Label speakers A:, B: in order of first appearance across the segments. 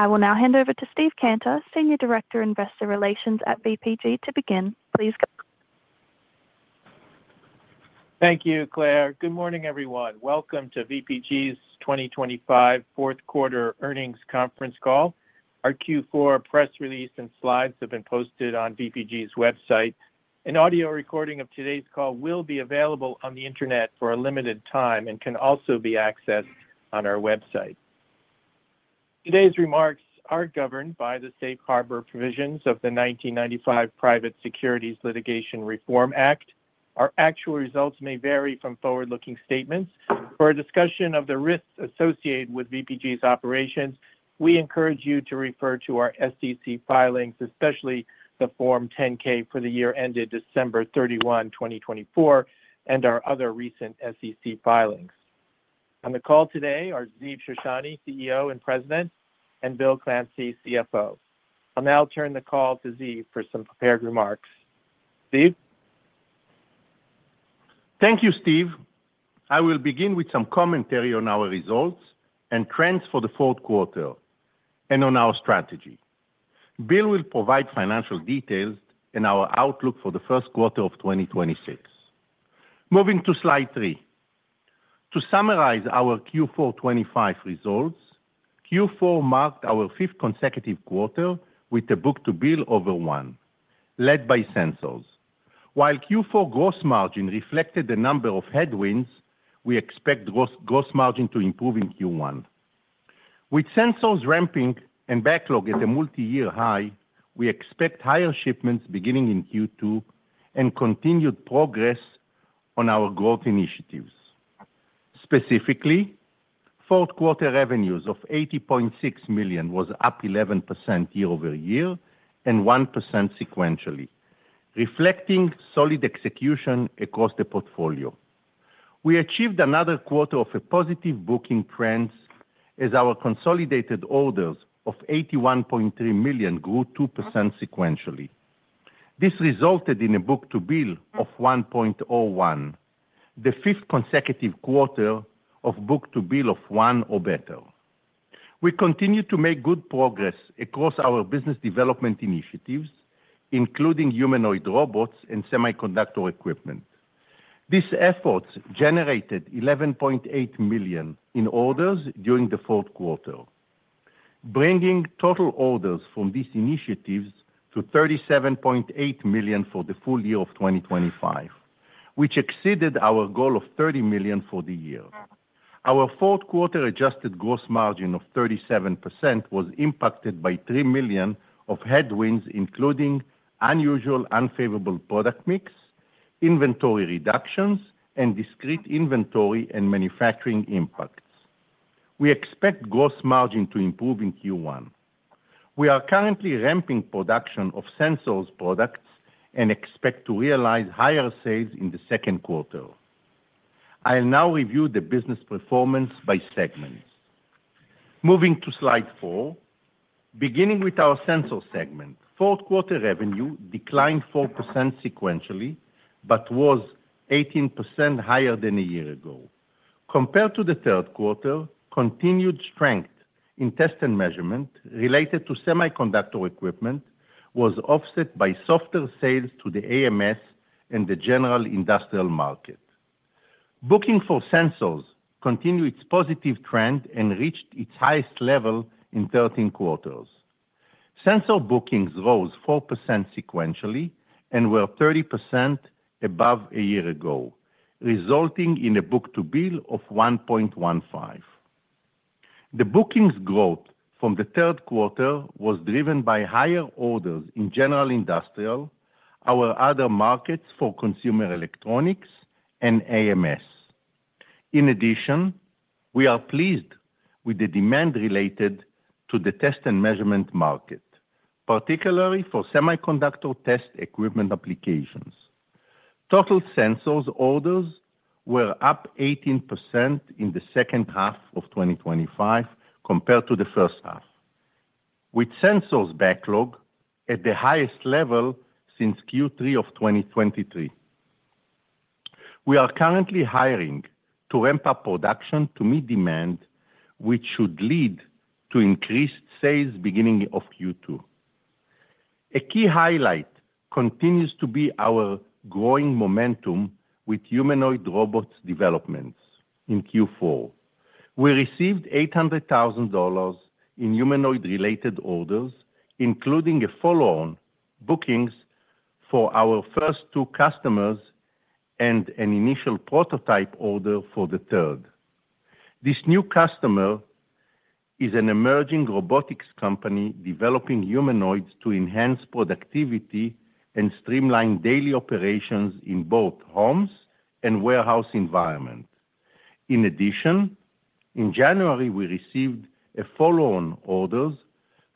A: I will now hand over to Steve Cantor, Senior Director, Investor Relations at VPG, to begin. Please go.
B: Thank you, Claire. Good morning, everyone. Welcome to VPG's 2025 fourth quarter earnings conference call. Our Q4 press release and slides have been posted on VPG's website. An audio recording of today's call will be available on the internet for a limited time and can also be accessed on our website. Today's remarks are governed by the safe harbor provisions of the 1995 Private Securities Litigation Reform Act. Our actual results may vary from forward-looking statements. For a discussion of the risks associated with VPG's operations, we encourage you to refer to our SEC filings, especially the Form 10-K for the year ended December 31, 2024, and our other recent SEC filings. On the call today are Ziv Shoshani, CEO and President, and Bill Clancy, CFO. I'll now turn the call to Ziv for some prepared remarks. Ziv?
C: Thank you, Steve. I will begin with some commentary on our results and trends for the fourth quarter and on our strategy. Bill will provide financial details and our outlook for the first quarter of 2026. Moving to slide three. To summarize our Q4 2025 results, Q4 marked our fifth consecutive quarter with a book-to-bill over one, led by Sensors. While Q4 gross margin reflected the number of headwinds, we expect gross margin to improve in Q1. With Sensors ramping and backlog at a multi-year high, we expect higher shipments beginning in Q2 and continued progress on our growth initiatives. Specifically, fourth quarter revenues of $80.6 million was up 11% year-over-year and 1% sequentially, reflecting solid execution across the portfolio. We achieved another quarter of a positive booking trends as our consolidated orders of $81.3 million grew 2% sequentially. This resulted in a book-to-bill of 1.01, the fifth consecutive quarter of book-to-bill of 1 or better. We continue to make good progress across our business development initiatives, including humanoid robots and semiconductor equipment. These efforts generated $11.8 million in orders during the fourth quarter, bringing total orders from these initiatives to $37.8 million for the full year of 2025, which exceeded our goal of $30 million for the year. Our fourth quarter adjusted gross margin of 37% was impacted by $3 million of headwinds, including unusual unfavorable product mix, inventory reductions, and discrete inventory and manufacturing impacts. We expect gross margin to improve in Q1. We are currently ramping production of Sensors products and expect to realize higher sales in the second quarter. I'll now review the business performance by segments. Moving to slide four. Beginning with our Sensors segment, fourth quarter revenue declined 4% sequentially, but was 18% higher than a year ago. Compared to the third quarter, continued strength in test and measurement related to semiconductor equipment was offset by softer sales to the AMS and the general industrial market. Bookings for Sensors continued its positive trend and reached its highest level in 13 quarters. Sensor bookings rose 4% sequentially and were 30% above a year ago, resulting in a book-to-bill of 1.15. The bookings growth from the third quarter was driven by higher orders in general industrial, our other markets for consumer electronics, and AMS. In addition, we are pleased with the demand related to the test and measurement market, particularly for semiconductor test equipment applications. Total Sensors orders were up 18% in the second half of 2025 compared to the first half, with Sensors backlog at the highest level since Q3 of 2023. We are currently hiring to ramp up production to meet demand, which should lead to increased sales beginning of Q2. A key highlight continues to be our growing momentum with humanoid robots developments in Q4. We received $800,000 in humanoid-related orders, including a follow-on bookings for our first two customers and an initial prototype order for the third. This new customer is an emerging robotics company developing humanoids to enhance productivity and streamline daily operations in both homes and warehouse environment. In addition, in January, we received a follow-on orders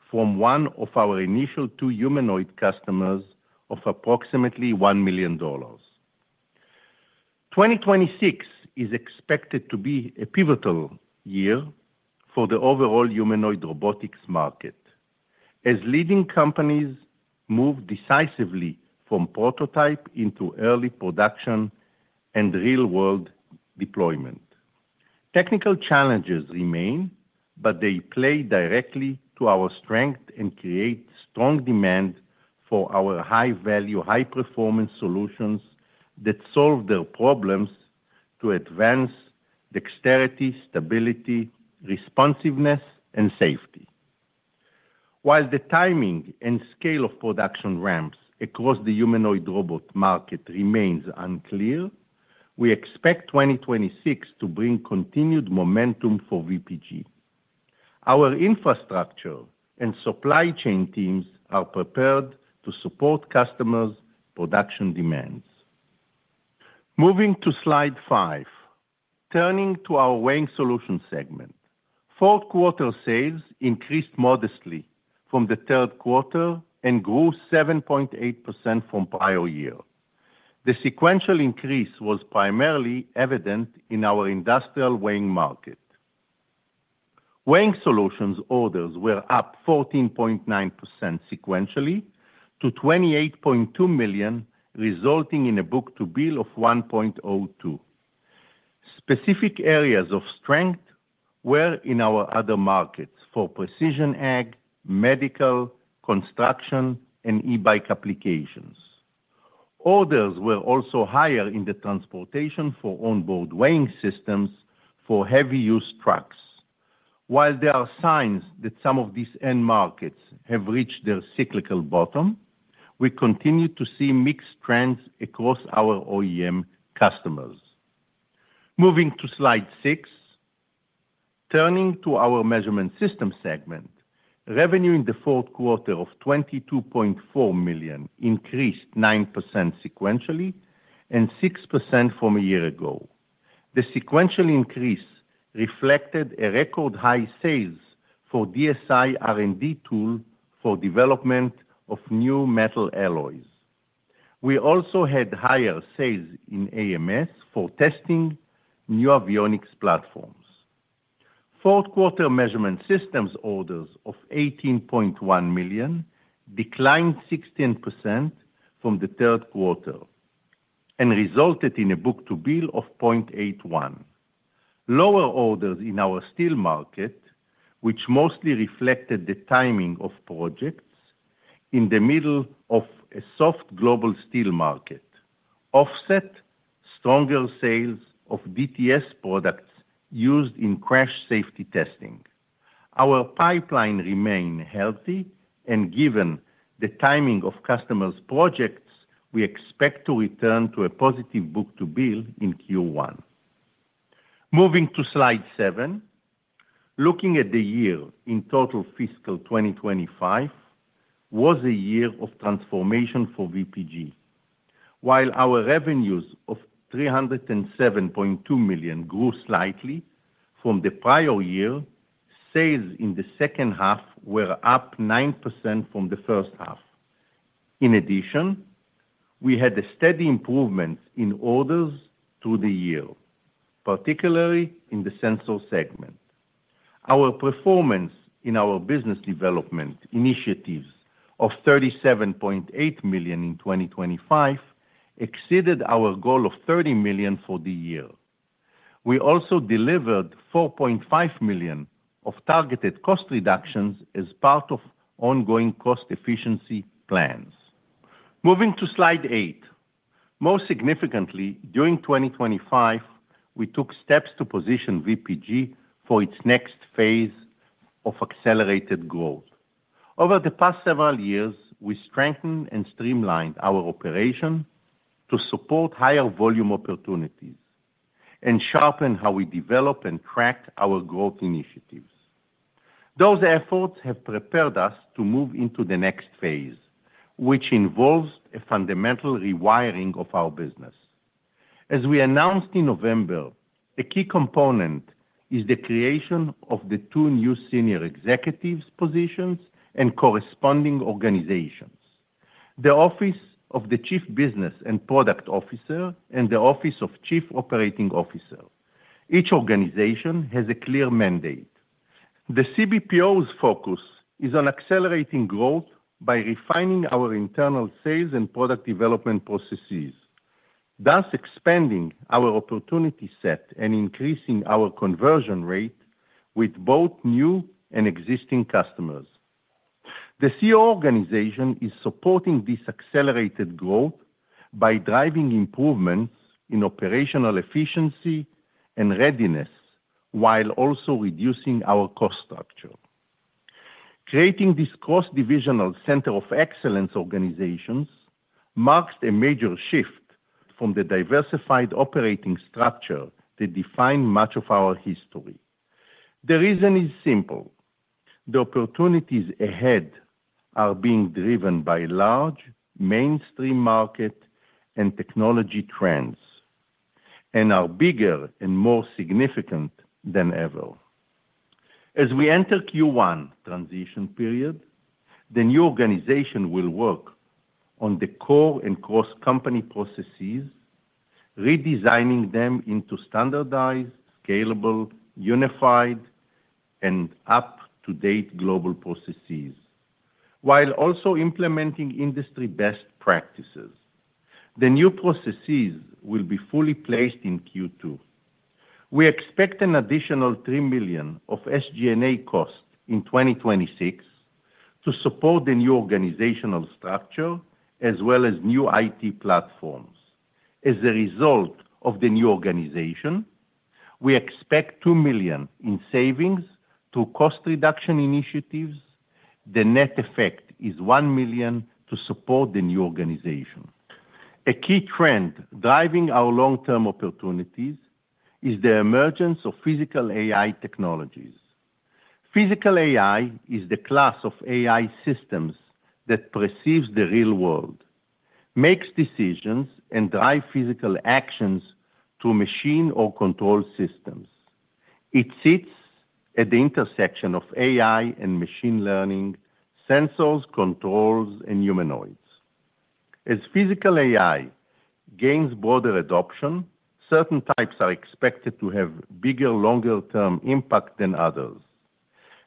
C: from one of our initial two humanoid customers of approximately $1 million. 2026 is expected to be a pivotal year for the overall humanoid robotics market, as leading companies move decisively from prototype into early production and real-world deployment. Technical challenges remain, but they play directly to our strength and create strong demand for our high-value, high-performance solutions that solve their problems to advance dexterity, stability, responsiveness, and safety. While the timing and scale of production ramps across the humanoid robot market remains unclear, we expect 2026 to bring continued momentum for VPG. Our infrastructure and supply chain teams are prepared to support customers' production demands. Moving to slide five. Turning to our Weighing Solutions segment, fourth quarter sales increased modestly from the third quarter and grew 7.8% from prior year. The sequential increase was primarily evident in our industrial weighing market. Weighing Solutions orders were up 14.9% sequentially to $28.2 million, resulting in a book-to-bill of 1.02. Specific areas of strength were in our other markets for precision ag, medical, construction, and e-bike applications. Orders were also higher in the transportation for onboard weighing systems for heavy-use trucks. While there are signs that some of these end markets have reached their cyclical bottom, we continue to see mixed trends across our OEM customers. Moving to slide six. Turning to our Measurement Systems segment, revenue in the fourth quarter of $22.4 million increased 9% sequentially and 6% from a year ago. The sequential increase reflected a record-high sales for DSI R&D tool for development of new metal alloys. We also had higher sales in AMS for testing new avionics platforms. Fourth quarter Measurement Systems orders of $18.1 million declined 16% from the third quarter and resulted in a book-to-bill of 0.81. Lower orders in our steel sector market, which mostly reflected the timing of projects in the middle of a soft global steel market, offset stronger sales of DTS products used in crash safety testing. Our pipeline remain healthy, and given the timing of customers' projects, we expect to return to a positive book-to-bill in Q1. Moving to slide seven. Looking at the year, in total, fiscal 2025 was a year of transformation for VPG. While our revenues of $307.2 million grew slightly from the prior year, sales in the second half were up 9% from the first half. In addition, we had a steady improvement in orders through the year, particularly in the Sensor segment. Our performance in our business development initiatives of $37.8 million in 2025 exceeded our goal of $30 million for the year. We also delivered $4.5 million of targeted cost reductions as part of ongoing cost efficiency plans. Moving to slide 8. Most significantly, during 2025, we took steps to position VPG for its next phase of accelerated growth. Over the past several years, we strengthened and streamlined our operation to support higher volume opportunities and sharpen how we develop and track our growth initiatives. Those efforts have prepared us to move into the next phase, which involves a fundamental rewiring of our business. As we announced in November, a key component is the creation of the two new senior executives positions and corresponding organizations: the Office of the Chief Business and Product Officer and the Office of Chief Operating Officer. Each organization has a clear mandate. The CBPO's focus is on accelerating growth by refining our internal sales and product development processes, thus expanding our opportunity set and increasing our conversion rate with both new and existing customers. The COO organization is supporting this accelerated growth by driving improvements in operational efficiency and readiness, while also reducing our cost structure. Creating this cross-divisional center of excellence organizations marks a major shift from the diversified operating structure that defined much of our history. The reason is simple: the opportunities ahead are being driven by large, mainstream market and technology trends and are bigger and more significant than ever. As we enter Q1 transition period, the new organization will work on the core and cross-company processes, redesigning them into standardized, scalable, unified, and up-to-date global processes, while also implementing industry best practices. The new processes will be fully placed in Q2. We expect an additional $3 million of SG&A costs in 2026 to support the new organizational structure, as well as new IT platforms. As a result of the new organization, we expect $2 million in savings through cost reduction initiatives. The net effect is $1 million to support the new organization. A key trend driving our long-term opportunities is the emergence of Physical AI technologies. Physical AI is the class of AI systems that perceives the real world, makes decisions, and drive physical actions through machine or control systems. It sits at the intersection of AI and machine learning, sensors, controls, and humanoids. As Physical AI gains broader adoption, certain types are expected to have bigger, longer-term impact than others.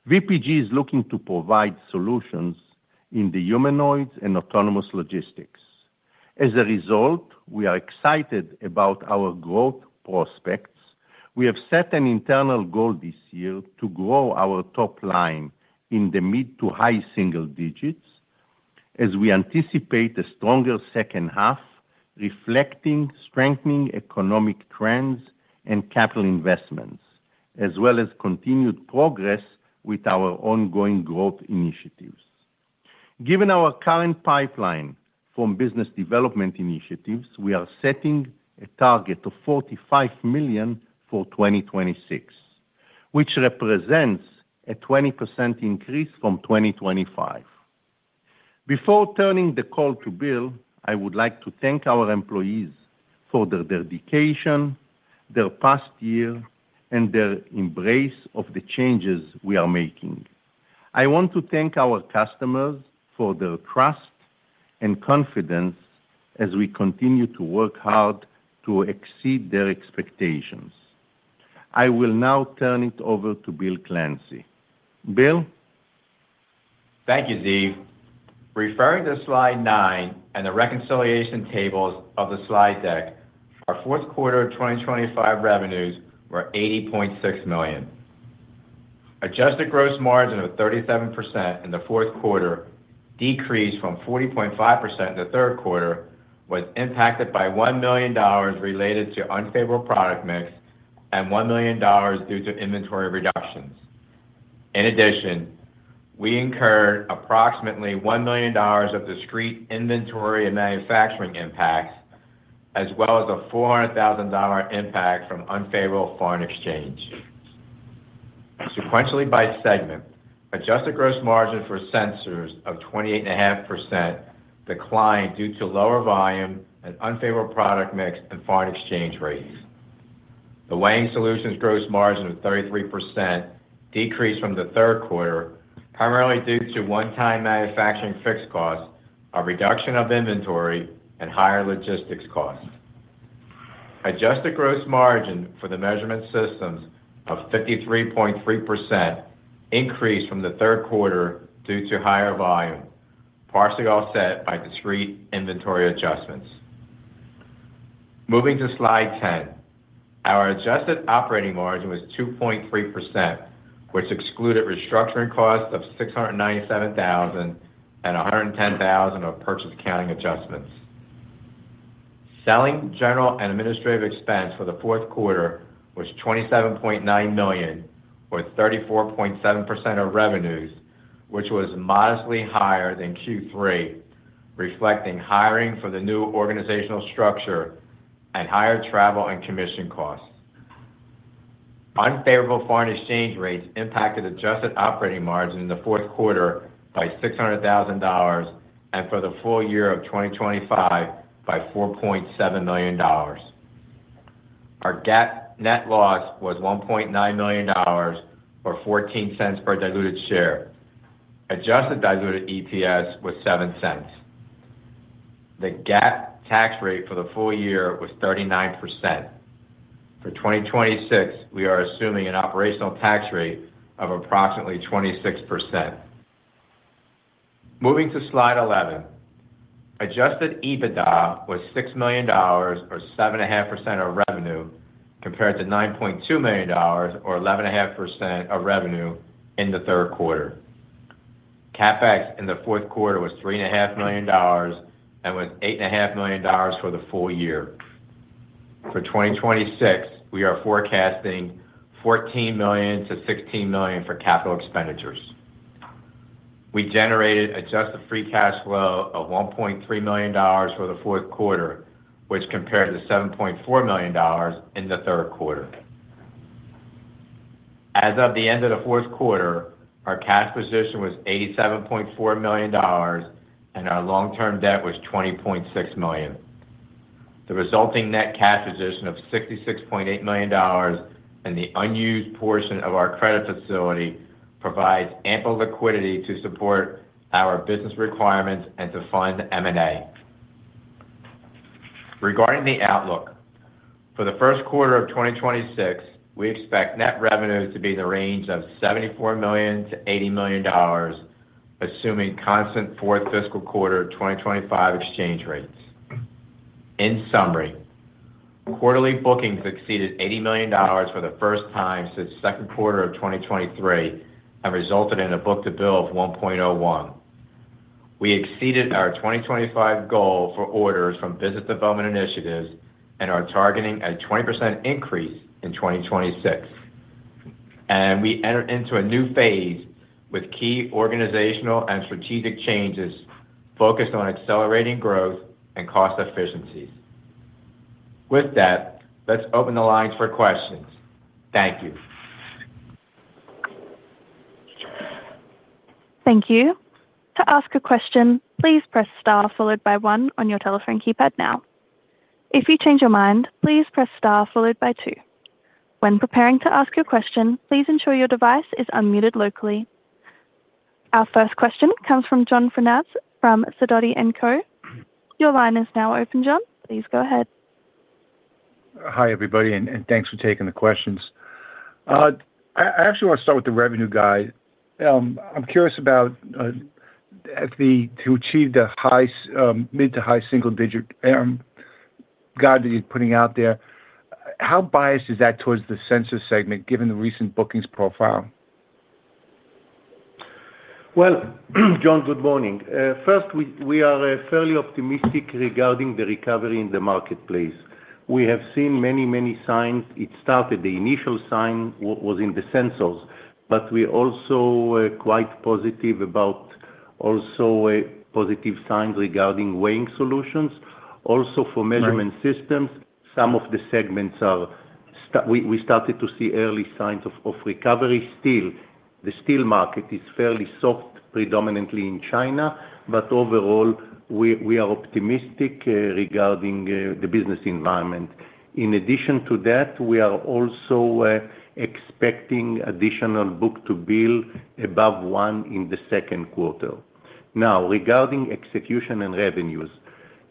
C: VPG is looking to provide solutions in the humanoids and autonomous logistics. As a result, we are excited about our growth prospects. We have set an internal goal this year to grow our top line in the mid- to high single digits, as we anticipate a stronger second half, reflecting strengthening economic trends and capital investments, as well as continued progress with our ongoing growth initiatives. Given our current pipeline from business development initiatives, we are setting a target of $45 million for 2026, which represents a 20% increase from 2025. Before turning the call to Bill, I would like to thank our employees for their dedication, their past year, and their embrace of the changes we are making. I want to thank our customers for their trust and confidence as we continue to work hard to exceed their expectations. I will now turn it over to Bill Clancy. Bill?
D: Thank you, Ziv. Referring to slide nine and the reconciliation tables of the slide deck, our fourth quarter of 2025 revenues were $80.6 million. Adjusted gross margin of 37% in the fourth quarter, decreased from 40.5% in the third quarter, was impacted by $1 million related to unfavorable product mix and $1 million due to inventory reductions. In addition, we incurred approximately $1 million of discrete inventory and manufacturing impacts, as well as a $400,000 impact from unfavorable foreign exchange. Sequentially, by segment, adjusted gross margin for Sensors of 28.5% declined due to lower volume and unfavorable product mix and foreign exchange rates. The Weighing Solutions gross margin of 33% decreased from the third quarter, primarily due to one-time manufacturing fixed costs, a reduction of inventory, and higher logistics costs. Adjusted gross margin for the Measurement Systems of 53.3% increased from the third quarter due to higher volume, partially offset by discrete inventory adjustments. Moving to slide 10. Our adjusted operating margin was 2.3%, which excluded restructuring costs of $697,000 and $110,000 of purchase accounting adjustments. Selling, general, and administrative expense for the fourth quarter was $27.9 million, or 34.7% of revenues, which was modestly higher than Q3, reflecting hiring for the new organizational structure and higher travel and commission costs. Unfavorable foreign exchange rates impacted adjusted operating margin in the fourth quarter by $600,000, and for the full year of 2025 by $4.7 million. Our GAAP net loss was $1.9 million, or $0.14 per diluted share. Adjusted diluted EPS was $0.07. The GAAP tax rate for the full year was 39%. For 2026, we are assuming an operational tax rate of approximately 26%. Moving to slide 11. Adjusted EBITDA was $6 million, or 7.5% of revenue, compared to $9.2 million or 11.5% of revenue in the third quarter. CapEx in the fourth quarter was $3.5 million and was $8.5 million for the full year. For 2026, we are forecasting $14 million-$16 million for capital expenditures. We generated adjusted free cash flow of $1.3 million for the fourth quarter, which compared to $7.4 million in the third quarter. As of the end of the fourth quarter, our cash position was $87.4 million, and our long-term debt was $20.6 million. The resulting net cash position of $66.8 million and the unused portion of our credit facility-... provides ample liquidity to support our business requirements and to fund M&A. Regarding the outlook, for the first quarter of 2026, we expect net revenue to be in the range of $74 million-$80 million, assuming constant fourth fiscal quarter 2025 exchange rates. In summary, quarterly bookings exceeded $80 million for the first time since second quarter of 2023, and resulted in a book-to-bill of 1.01. We exceeded our 2025 goal for orders from business development initiatives and are targeting a 20% increase in 2026, and we entered into a new phase with key organizational and strategic changes focused on accelerating growth and cost efficiencies. With that, let's open the lines for questions. Thank you.
A: Thank you. To ask a question, please press star followed by one on your telephone keypad now. If you change your mind, please press star followed by two. When preparing to ask your question, please ensure your device is unmuted locally. Our first question comes from John Franzreb from Sidoti & Co. Your line is now open, John. Please go ahead.
E: Hi, everybody, and thanks for taking the questions. I actually want to start with the revenue guide. I'm curious about as to achieve the high, mid- to high-single-digit guide that you're putting out there, how biased is that towards the sensor segment, given the recent bookings profile?
C: Well, John, good morning. First, we are fairly optimistic regarding the recovery in the marketplace. We have seen many, many signs. It started, the initial sign was in the Sensors, but we're also quite positive about also positive signs regarding Weighing Solutions. Also, for-
E: Right...
C: measurement systems, some of the segments are – we started to see early signs of recovery. Still, the steel market is fairly soft, predominantly in China, but overall, we are optimistic regarding the business environment. In addition to that, we are also expecting additional book-to-bill above one in the second quarter. Now, regarding execution and revenues,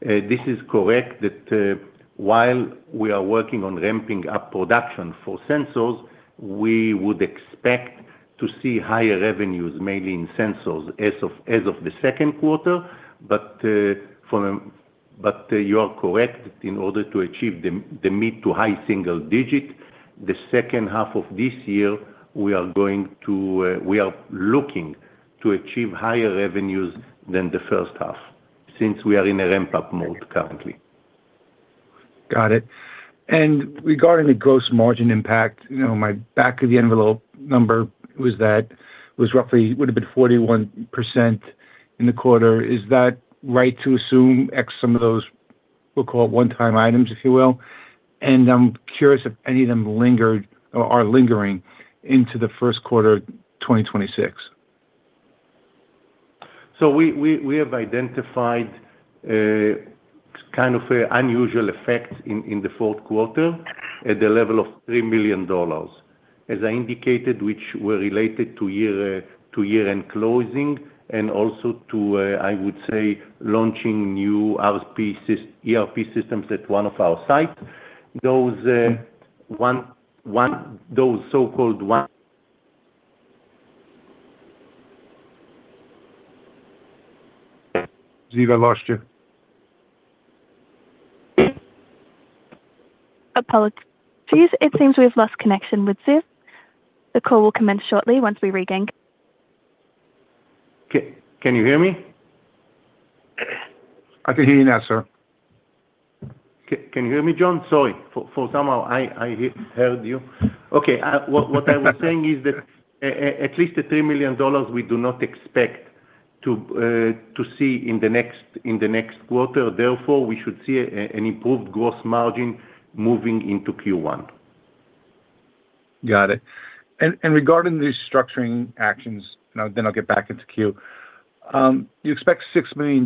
C: this is correct that while we are working on ramping up production for sensors, we would expect to see higher revenues, mainly in sensors, as of the second quarter, but you are correct, in order to achieve the mid- to high-single-digit, the second half of this year, we are going to, we are looking to achieve higher revenues than the first half since we are in a ramp-up mode currently.
E: Got it. And regarding the gross margin impact, you know, my back-of-the-envelope number was that, was roughly, would have been 41% in the quarter. Is that right to assume X, some of those, we'll call it one-time items, if you will? And I'm curious if any of them lingered or are lingering into the first quarter of 2026.
C: So we have identified kind of an unusual effect in the fourth quarter at the level of $3 million. As I indicated, which were related to year-end closing, and also to, I would say, launching new ERP systems at one of our sites. Those, one, one, those so-called one-
E: Ziv, I lost you.
A: Apologies. It seems we've lost connection with Ziv. The call will commence shortly once we regain.
C: Can you hear me?
E: I can hear you now, sir.
C: Can you hear me, John? Sorry, for somehow I heard you. Okay, what I was saying is that at least the $3 million, we do not expect to see in the next quarter. Therefore, we should see an improved gross margin moving into Q1.
E: Got it. And regarding these structuring actions, then I'll get back into queue. You expect $6 million.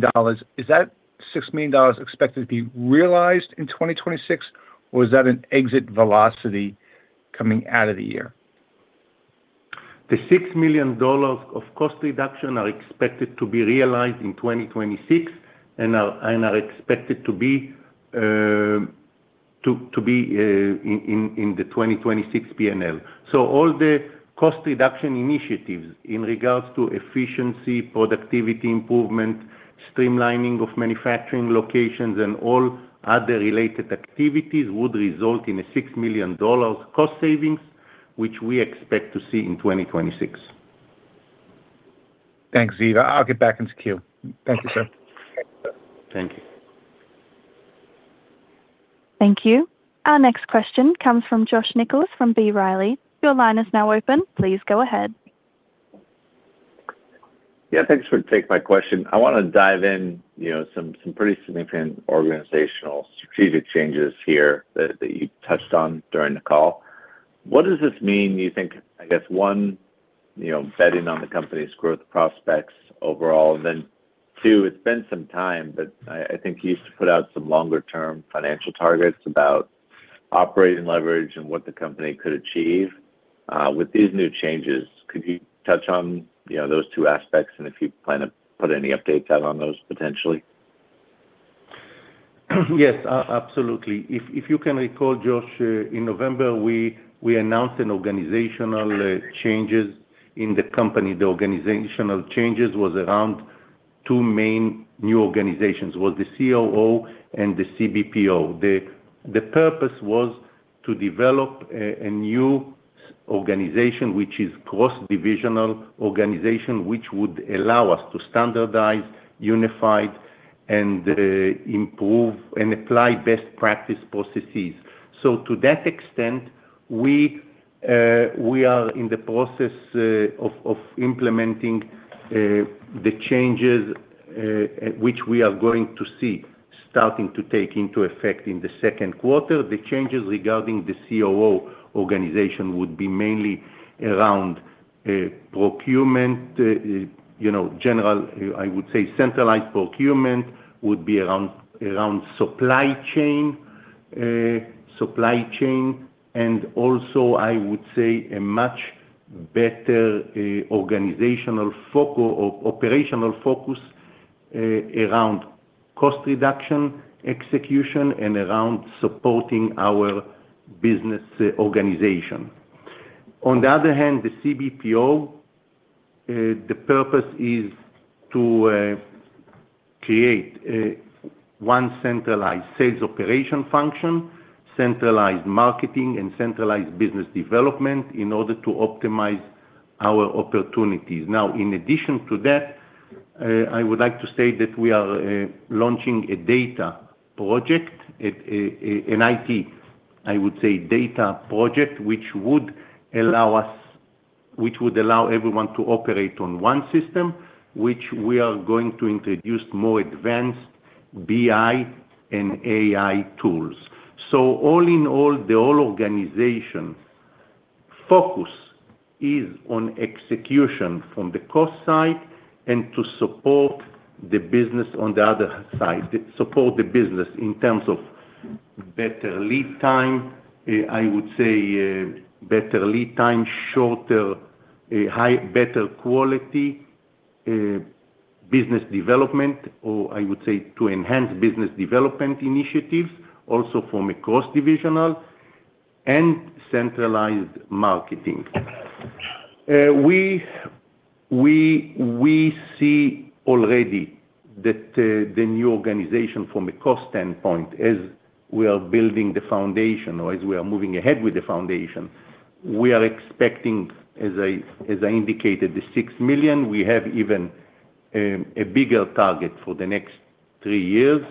E: Is that $6 million expected to be realized in 2026, or is that an exit velocity coming out of the year?
C: The $6 million of cost reduction are expected to be realized in 2026, and expected to be in the 2026 P&L. So all the cost reduction initiatives in regards to efficiency, productivity improvement, streamlining of manufacturing locations, and all other related activities, would result in a $6 million cost savings, which we expect to see in 2026.
E: Thanks, Ziv. I'll get back into queue.
C: Okay.
E: Thank you, sir.
C: Thank you.
A: Thank you. Our next question comes from Joshua Nichols, from B. Riley. Your line is now open. Please go ahead.
F: Yeah, thanks for taking my question. I wanna dive in, you know, some pretty significant organizational strategic changes here that you touched on during the call. What does this mean, you think, I guess, one, you know, betting on the company's growth prospects overall, and then, two, it's been some time, but I think you used to put out some longer term financial targets about operating leverage and what the company could achieve with these new changes. Could you touch on, you know, those two aspects, and if you plan to put any updates out on those, potentially?
C: Yes, absolutely. If you can recall, Josh, in November, we announced an organizational changes in the company. The organizational changes was around two main new organizations, was the COO and the CBPO. The purpose was to develop a new organization, which is cross-divisional organization, which would allow us to standardize, unify, and improve and apply best practice processes. So to that extent, we are in the process of implementing the changes, which we are going to see starting to take into effect in the second quarter. The changes regarding the COO organization would be mainly around procurement, you know, general. I would say centralized procurement would be around supply chain, supply chain, and also I would say a much better organizational focus or operational focus around cost reduction, execution, and around supporting our business organization. On the other hand, the CBPO, the purpose is to create a one centralized sales operation function, centralized marketing, and centralized business development in order to optimize our opportunities. Now, in addition to that, I would like to say that we are launching a data project, an IT, I would say, data project, which would allow us, which would allow everyone to operate on one system, which we are going to introduce more advanced BI and AI tools. So all in all, the whole organization focus is on execution from the cost side and to support the business on the other side, to support the business in terms of better lead time, I would say, better lead time, shorter, high, better quality, business development, or I would say, to enhance business development initiatives, also from a cross-divisional and centralized marketing. We see already that the new organization from a cost standpoint, as we are building the foundation or as we are moving ahead with the foundation, we are expecting, as I indicated, $6 million. We have even a bigger target for the next three years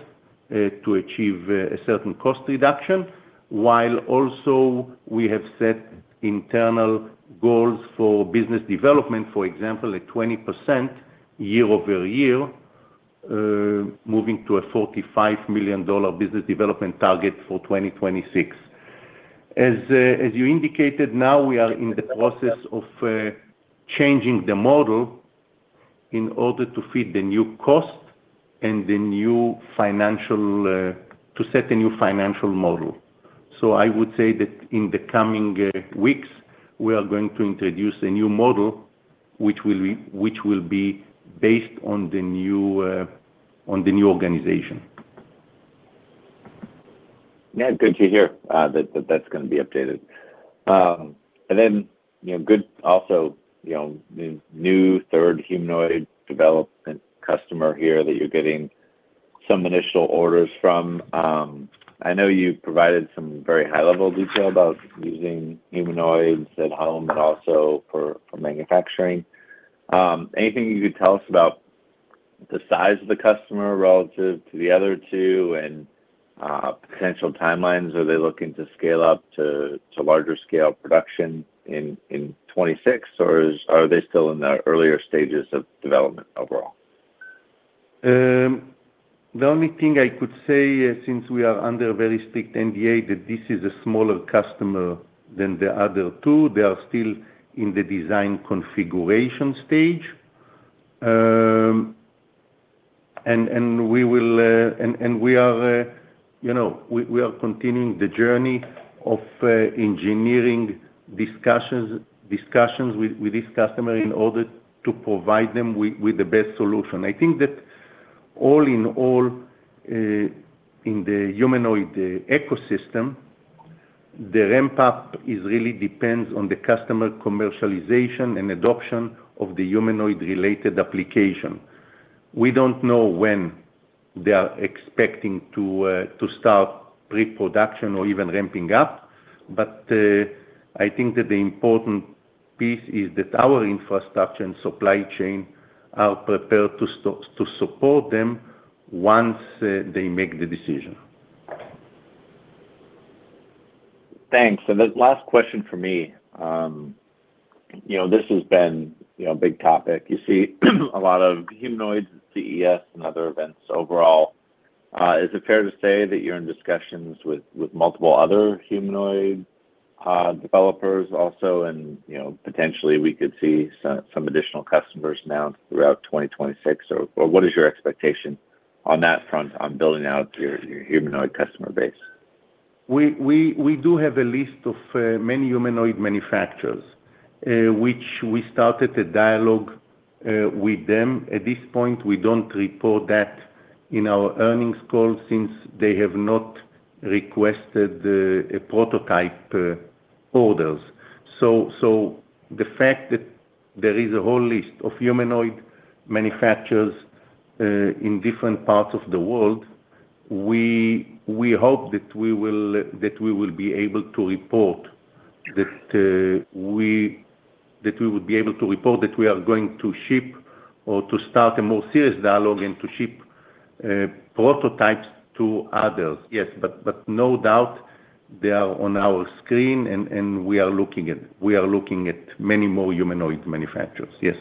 C: to achieve a certain cost reduction, while also we have set internal goals for business development, for example, a 20% year-over-year moving to a $45 million business development target for 2026. As you indicated, now we are in the process of changing the model in order to fit the new cost and the new financial to set a new financial model. So I would say that in the coming weeks, we are going to introduce a new model, which will be based on the new organization.
F: Yeah, good to hear that that's gonna be updated. And then, you know, good also, you know, the new third humanoid development customer here that you're getting some initial orders from. I know you provided some very high-level detail about using humanoids at home, but also for manufacturing. Anything you could tell us about the size of the customer relative to the other two and potential timelines? Are they looking to scale up to larger scale production in 2026, or are they still in the earlier stages of development overall?
C: The only thing I could say, since we are under a very strict NDA, that this is a smaller customer than the other two. They are still in the design configuration stage, and we are, you know, continuing the journey of engineering discussions with this customer in order to provide them with the best solution. I think that all in all, in the humanoid ecosystem, the ramp-up is really depends on the customer commercialization and adoption of the humanoid-related application. We don't know when they are expecting to start pre-production or even ramping up, but I think that the important piece is that our infrastructure and supply chain are prepared to support them once they make the decision.
F: Thanks. The last question for me, you know, this has been, you know, a big topic. You see a lot of humanoids, CES and other events overall. Is it fair to say that you're in discussions with multiple other humanoid developers also and, you know, potentially we could see some additional customers now throughout 2026, or what is your expectation on that front on building out your humanoid customer base?
C: We do have a list of many humanoid manufacturers, which we started a dialogue with them. At this point, we don't report that in our earnings call since they have not requested a prototype orders. So the fact that there is a whole list of humanoid manufacturers in different parts of the world, we hope that we will be able to report that we would be able to report that we are going to ship or to start a more serious dialogue and to ship prototypes to others. Yes, but no doubt they are on our screen and we are looking at many more humanoid manufacturers. Yes.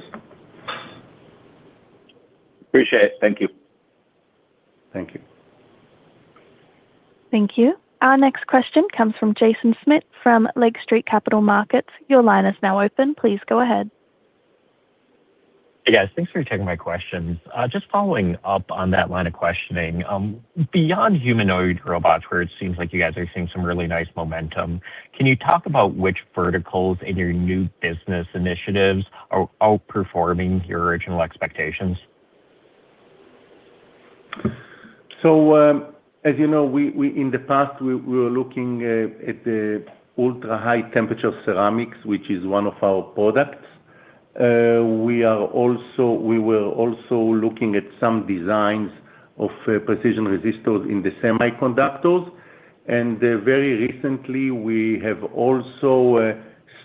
F: Appreciate it. Thank you.
C: Thank you.
A: Thank you. Our next question comes from Jaeson Schmidt, from Lake Street Capital Markets. Your line is now open. Please go ahead.
G: Hey, guys. Thanks for taking my questions. Just following up on that line of questioning, beyond humanoid robots, where it seems like you guys are seeing some really nice momentum, can you talk about which verticals in your new business initiatives are outperforming your original expectations?
C: So, as you know, we in the past were looking at the ultra-high temperature ceramics, which is one of our products. We were also looking at some designs of precision resistors in the semiconductors, and very recently, we have also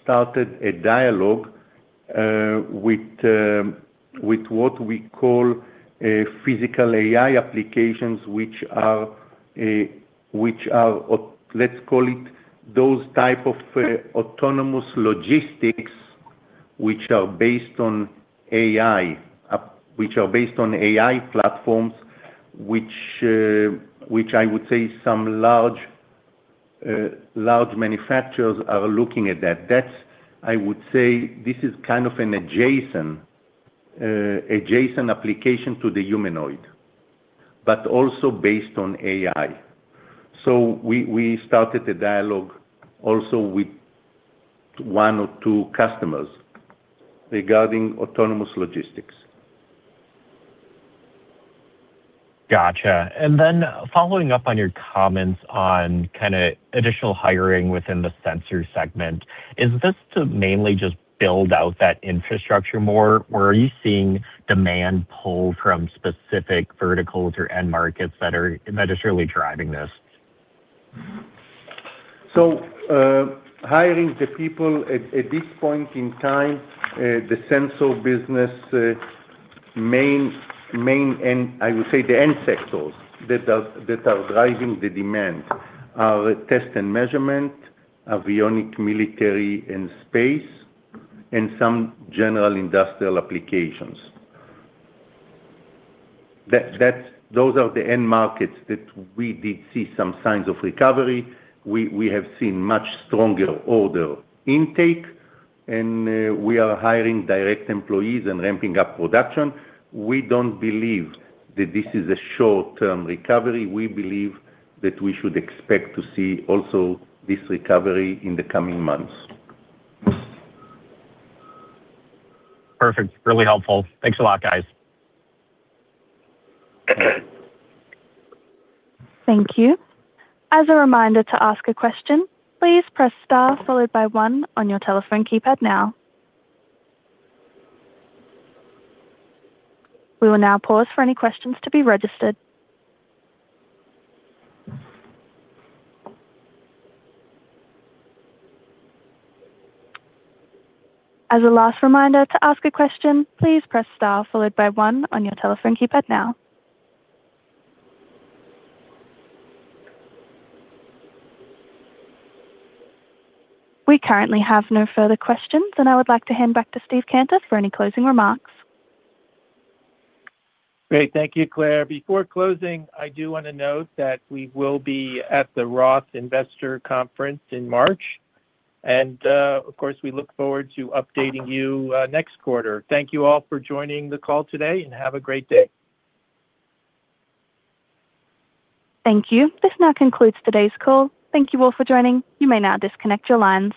C: started a dialogue with what we call Physical AI applications, which are, or let's call it, those type of autonomous logistics, which are based on AI, which are based on AI platforms, which I would say some large manufacturers are looking at that. That, I would say this is kind of an adjacent application to the humanoid, but also based on AI. So we started a dialogue also with one or two customers regarding autonomous logistics.
G: Gotcha. And then following up on your comments on kinda additional hiring within the Sensors segment, is this to mainly just build out that infrastructure more, or are you seeing demand pull from specific verticals or end markets that are, that are surely driving this?
C: So, hiring the people at this point in time, the sensor business, I would say the end sectors that are driving the demand are test and measurement, avionics, military, and space, and some general industrial applications. Those are the end markets that we did see some signs of recovery. We have seen much stronger order intake, and we are hiring direct employees and ramping up production. We don't believe that this is a short-term recovery. We believe that we should expect to see also this recovery in the coming months.
G: Perfect. Really helpful. Thanks a lot, guys.
A: Thank you. As a reminder to ask a question, please press star followed by one on your telephone keypad now. We will now pause for any questions to be registered. As a last reminder, to ask a question, please press star followed by one on your telephone keypad now. We currently have no further questions, and I would like to hand back to Steve Cantor for any closing remarks.
B: Great. Thank you, Claire. Before closing, I do want to note that we will be at the Roth Investor Conference in March, and, of course, we look forward to updating you next quarter. Thank you all for joining the call today, and have a great day.
A: Thank you. This now concludes today's call. Thank you all for joining. You may now disconnect your lines.